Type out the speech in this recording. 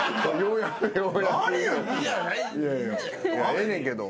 ええねんけど。